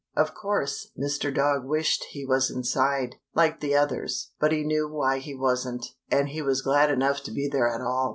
Of course, Mr. Dog wished he was inside, like the others, but he knew why he wasn't, and he was glad enough to be there at all.